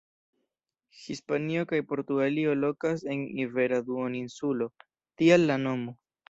Hispanio kaj Portugalio lokas en Ibera Duoninsulo; tial la nomo.